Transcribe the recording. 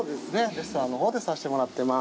レストランのほうでさせてもらってます。